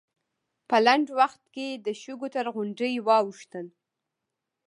په لنډ وخت کې د شګو تر غونډۍ واوښتل.